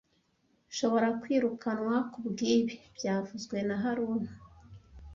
Nshobora kwirukanwa kubwibi byavuzwe na haruna